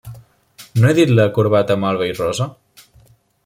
-No he dit la corbata malva i rosa?